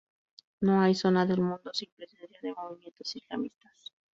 No hay zona del mundo sin presencia de movimientos islamistas.